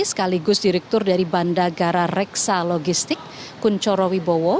sekaligus direktur dari bandagara reksa logistik kunchorowi bowo